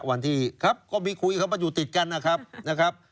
วันที่ครับก็มีคุยครับมันอยู่ติดกันนะครับนะครับ